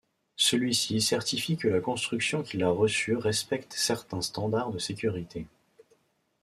Celui-ci certifie que la construction qui l’a reçu respecte certains standards de sécurité.